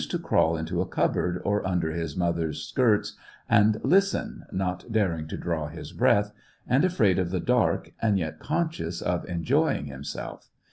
to crawl into a cupboard or under his mother's skirts, and listen, not daring to draw his breath, and afraid of the dark, and yet conscious of en joying himself.